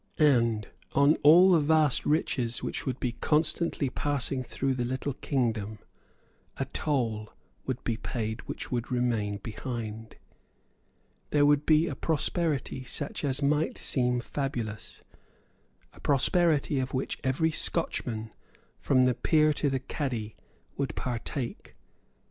And on all the vast riches which would be constantly passing through the little kingdom a toll would be paid which would remain behind. There would be a prosperity such as might seem fabulous, a prosperity of which every Scotchman, from the peer to the cadie, would partake.